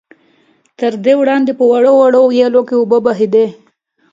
تر دې وړاندې په وړو وړو ويالو کې اوبه بهېدې.